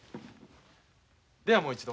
ではもう一度。